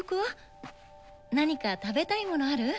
何か食べたいものある？